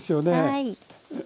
はい。